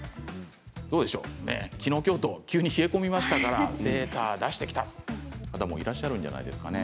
きのう、きょうと急に冷え込みましたからセーター出してきた方もいらっしゃるんじゃないでしょうかね。